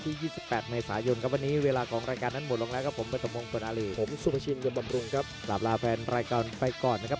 ที่ยี่สิบแปดใหม่สายนครับวันนี้เวลากองรายการนั้นหมดแล้วครับผมเปอร์ธมงต์สนารีภรรษผมซุปพะชิ้นยวมาพลุงครับกลับลาแฟนรายการไปก่อนครับ